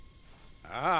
ああ。